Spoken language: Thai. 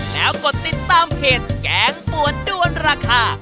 แล้วกดติดตามเพจแกงปวดด้วนราคา